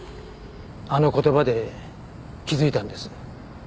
あの言葉で気づいたんです。